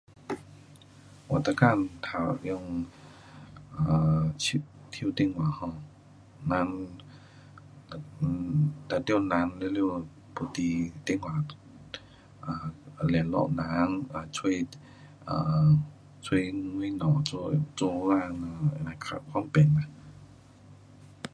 我每天都用手，手电话 um 人 um 一定人全了了要得电话，um 联络人，um 找，um 找东西做，做工 um，较方便啦。